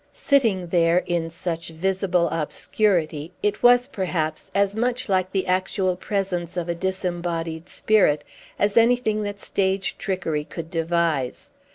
Sitting there, in such visible obscurity, it was, perhaps, as much like the actual presence of a disembodied spirit as anything that stage trickery could devise.